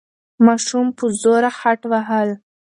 ماشوم په زوره خټ وهل.